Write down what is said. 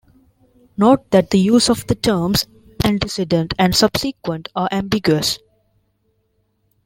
Note that the use of the terms "antecedent" and "subsequent" are ambiguous.